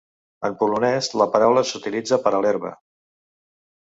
En polonès, la paraula s'utilitza per a l'herba.